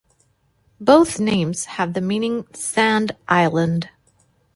Both names have the meaning "sand island".